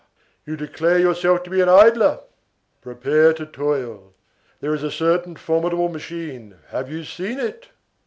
You declare yourself to be an idler! prepare to toil. There is a certain formidable machine, have you seen it?